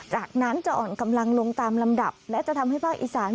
จากนั้นจะอ่อนกำลังลงตามลำดับและจะทำให้ภาคอีสาน